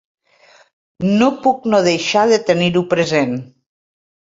No puc no deixar de tenir-ho present.